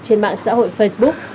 trên mạng xã hội facebook